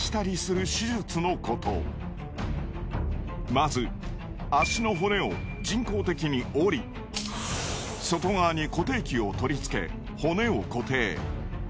まず足の骨を人工的に折り外側に固定器を取り付け骨を固定。